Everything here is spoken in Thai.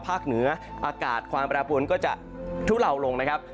เหนืออากาศความแปรปวนก็จะทุเลาลงนะครับ